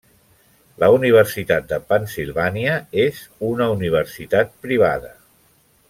La Universitat de Pennsilvània és una universitat privada.